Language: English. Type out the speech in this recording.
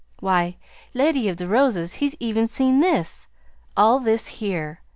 Why, Lady of the Roses, he's even seen this all this here.